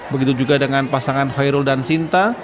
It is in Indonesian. begitu juga dengan pasangan khairul dan sinta